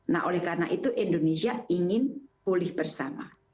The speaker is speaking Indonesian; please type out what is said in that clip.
nah oleh karena itu indonesia ingin pulih bersama